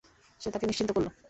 সে তাকে নিশ্চিন্ত করল।